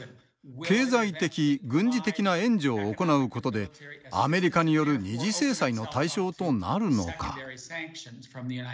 経済的・軍事的な援助を行うことでアメリカによる二次制裁の対象となるのか。